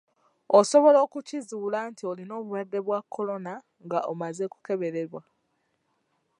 Osobala okukizuula nti olina obulwadde bwa kolona nga omaze kukeberebwa